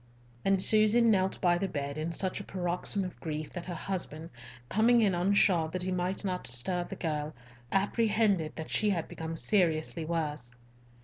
And Susan knelt by the bed in such a paroxysm of grief that her husband, coming in unshod that he might not disturb the girl, apprehended that she had become seriously worse.